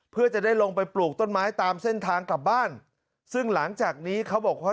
เพื่อจะได้ลงไปปลูกต้นไม้ตามเส้นทางกลับบ้านซึ่งหลังจากนี้เขาบอกว่า